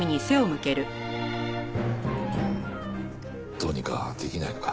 どうにかできないのか？